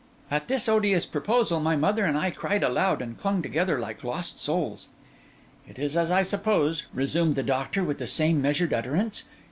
At this odious proposal my mother and I cried out aloud, and clung together like lost souls. 'It is as I supposed,' resumed the doctor, with the same measured utterance.